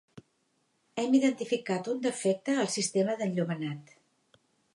Hem identificat un defecte al sistema d'enllumenat.